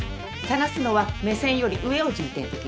捜すのは目線より上を重点的に。